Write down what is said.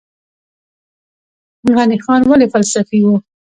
غني خان ولې فلسفي و؟